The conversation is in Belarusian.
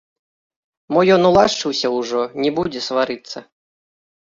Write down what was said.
Мо ён улашчыўся ўжо, не будзе сварыцца.